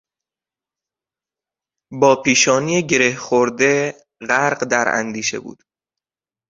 با پیشانی گره خورده غرق در اندیشه بود.